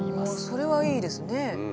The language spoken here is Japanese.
それはいいですね。